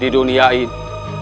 di dunia itu